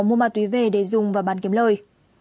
mua ma túy về để dùng và bán kiếm lời